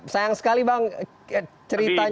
sayang sekali bang ceritanya